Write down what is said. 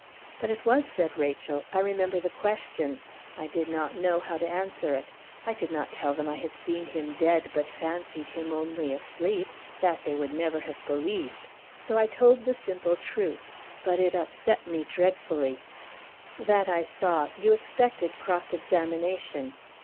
"But it was," said Rachel. "I remember the question. I did not know how to answer it. I could not tell them I had seen him dead but fancied him only asleep; that they would never have believed. So I told the simple truth. But it upset me dreadfully." "That I saw. You expected cross examination."